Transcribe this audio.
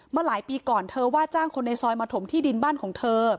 หลายปีก่อนเธอว่าจ้างคนในซอยมาถมที่ดินบ้านของเธอ